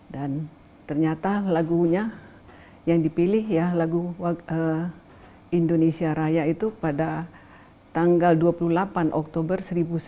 dan ternyata lagunya yang dipilih lagu indonesia raya itu pada tanggal dua puluh delapan oktober seribu sembilan ratus tujuh puluh delapan